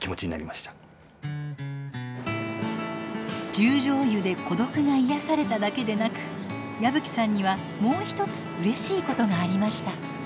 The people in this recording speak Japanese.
十條湯で孤独が癒やされただけでなく矢吹さんにはもう一つうれしいことがありました。